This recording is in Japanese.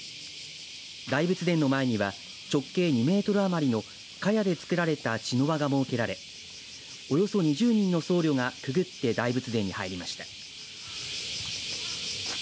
大仏殿の前には直径２メートル余りのかやで作られた茅の輪が設けられおよそ２０人の僧侶がくぐって大仏殿に入りました。